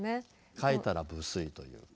書いたら不粋というか。